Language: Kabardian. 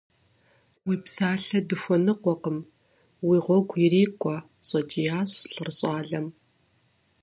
Уи псалъэ дыхуэныкъуэкъым, уи гъуэгу ирикӀуэ! – щӀэкӀиящ лӀыр щӀалэм.